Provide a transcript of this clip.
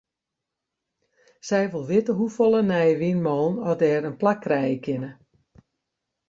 Sy wol witte hoefolle nije wynmûnen oft dêr in plak krije kinne.